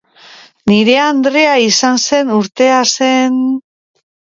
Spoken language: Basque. Nire andrea izan zen urtea zen...